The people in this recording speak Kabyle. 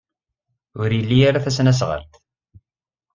Ur ili ara tasnasɣalt.